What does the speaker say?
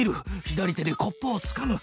左手でコップをつかむ。